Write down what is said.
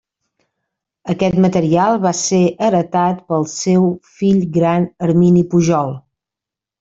Aquest material va ser heretat pel seu fill gran Hermini Pujol.